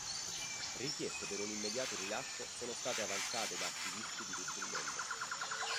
Richieste per un immediato rilascio sono state avanzate da attivisti di tutto il mondo.